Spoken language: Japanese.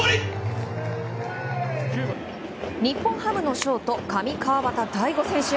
日本ハムのショート上川畑大悟選手。